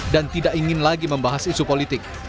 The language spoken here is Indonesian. tidak ingin lagi membahas isu politik